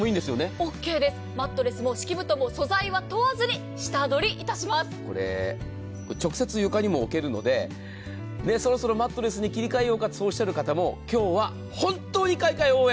オッケーです、マットレスも敷布団も素材は這わずにこれ直接床にも置けるので、そろそろマットレスに切り替えようかとおっしゃる方も、今日は本当に買い替え、応援。